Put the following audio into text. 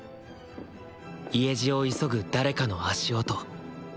家路を急ぐ誰かの足音。